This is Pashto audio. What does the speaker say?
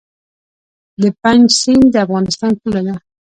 د پنج سیند د افغانستان پوله ده